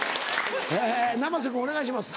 え生瀬君お願いします。